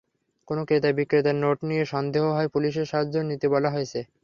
কোনো ক্রেতা বিক্রেতার নোট নিয়ে সন্দেহ হলে পুলিশের সাহায্য নিতে বলা হয়েছে।